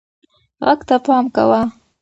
غږ ته پام کوه.